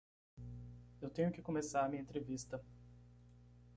Eu tenho que começar minha entrevista.